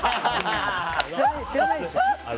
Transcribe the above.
知らないでしょ？